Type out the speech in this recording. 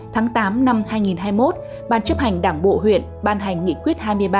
tháng tám năm hai nghìn hai mươi một ban chấp hành đảng bộ huyện ban hành nghị quyết hai mươi ba